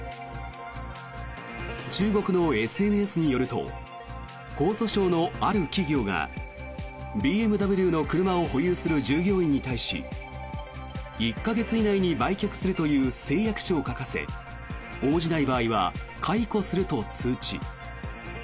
中国のＳＮＳによると江蘇省のある企業がＢＭＷの車を保有する従業員に対し１か月以内に売却するという誓約書を書かせ応じない場合は解雇すると通知。